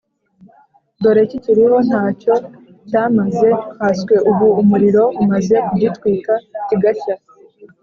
Dore kikiriho nta cyo cyamaze, nkanswe ubu umuriro umaze kugitwika kigashya